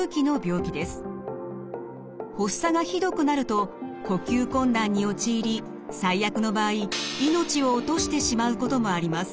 発作がひどくなると呼吸困難に陥り最悪の場合命を落としてしまうこともあります。